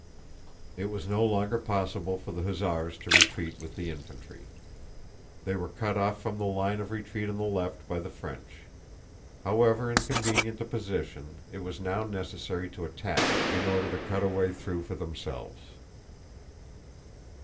It was no longer possible for the hussars to retreat with the infantry. They were cut off from the line of retreat on the left by the French. However inconvenient the position, it was now necessary to attack in order to cut a way through for themselves.